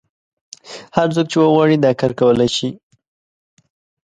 هر څوک چې وغواړي دا کار کولای شي.